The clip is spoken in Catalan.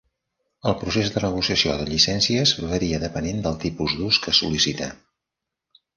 El procés de negociació de llicències varia depenent del tipus d'ús que es sol·licita.